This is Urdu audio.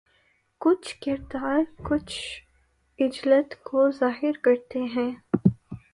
کچھ کردار کچھ عجلت کو ظاہر کرتے ہیں